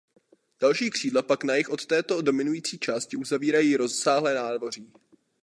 Další křídla pak na jih od této dominující části uzavírají rozsáhlé nádvoří.